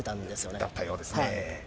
だったようですね。